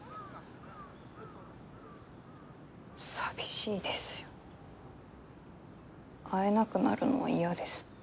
寂しいですよ会えなくなるのは嫌です。